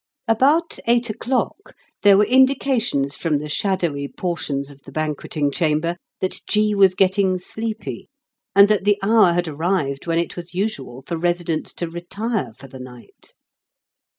About eight o'clock there were indications from the shadowy portions of the banqueting chamber that G. was getting sleepy, and that the hour had arrived when it was usual for residents to retire for the night.